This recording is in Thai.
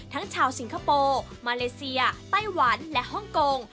ทั้งชาวสิงคโปร์มาเลเซียไต้หวันและฮ่องกง